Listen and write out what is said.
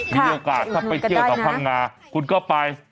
มีโอกาสถ้าไปเที่ยวต่อพังงาคุณก็ไป